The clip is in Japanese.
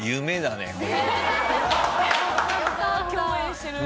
共演してる。